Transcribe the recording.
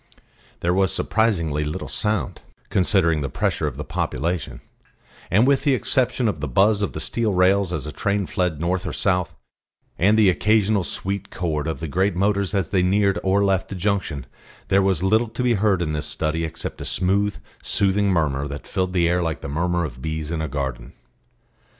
There was surprisingly little sound, considering the pressure of the population; and, with the exception of the buzz of the steel rails as a train fled north or south, and the occasional sweet chord of the great motors as they neared or left the junction, there was little to be heard in this study except a smooth, soothing murmur that filled the air like the murmur of bees in a garden.